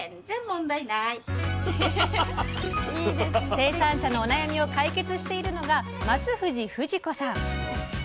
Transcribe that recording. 生産者のお悩みを解決しているのが松藤富士子さん。